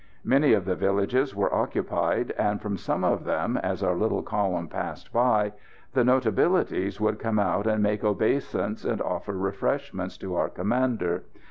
Many of the villages were occupied, and from some of them, as our little column passed by, the notabilities would come out and make obeisance, and offer refreshments to our commander.